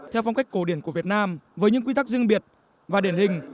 theo phong cách cổ điển của việt nam với những quy tắc riêng biệt và điển hình